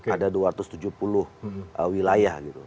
ada dua ratus tujuh puluh wilayah gitu